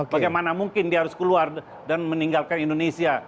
bagaimana mungkin dia harus keluar dan meninggalkan indonesia